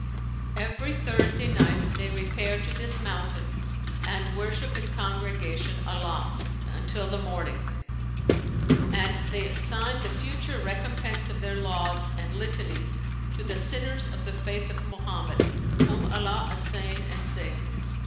Every Thursday night[FN#531] they repair to this mountain and worship in congregation Allah until the morning, and they assign the future recompense of their lauds and litanies to the sinners of the Faith of Mohammed (whom Allah assain and save!)